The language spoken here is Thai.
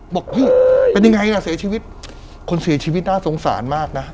ว่าเป็นไงแล้วเสียชีวิตคนเสียชีวิตน่าทรงสารมากนะ